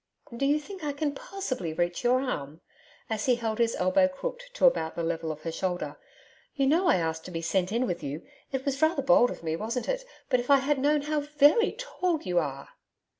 'Do you think I can POSSIBLY reach your arm?' as he held his elbow crooked to about the level of her shoulder. 'You know I asked to be sent in with you it was rather bold of me, wasn't it? But if I had known how VERY tall you are!'